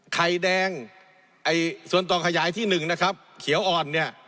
ไข่แดงส่วนต่อขยายที่๑เขียวอ่อน